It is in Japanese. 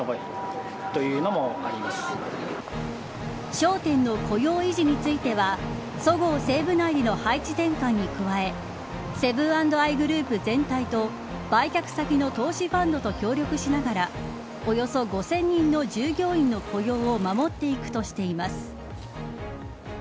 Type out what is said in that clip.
商店の雇用維持についてはそごう・西武内での配置転換に加えセブン＆アイグループ全体と売却先の投資ファンドと協力しながらおよそ５０００人の従業員の雇用を守っていくとしています。